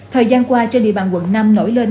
thời gian qua trên địa bàn quận năm nổi lên